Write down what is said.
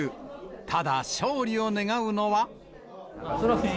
ただ、勝利を願うのは。